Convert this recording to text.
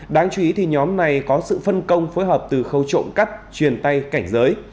đáng chú ý thì nhóm này có sự phân công phối hợp từ khâu trộm cắp truyền tay cảnh giới